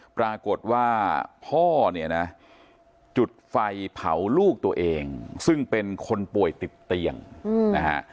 ปรากฏว่าพ่อเนี่ยนะจุดไฟเผาลูกตัวเองซึ่งเป็นคนป่วยติดเตียงนะฮะ